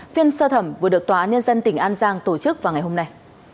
phiên sơ thẩm vừa được tòa án nhân dân tỉnh an giang tổ chức vào ngày hôm nay